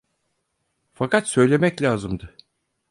Fakat söylemek lazımdı…